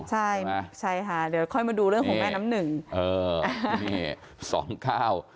ใช่ไหมใช่ค่ะเดี๋ยวค่อยมาดูเรื่องของแม่น้ำหนึ่งเอออ่านี่สองเก้า